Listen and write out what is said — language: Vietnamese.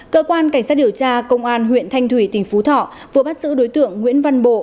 cơ quan cảnh sát điều tra công an huyện thanh thủy tỉnh phú thọ vừa bắt giữ đối tượng nguyễn văn bộ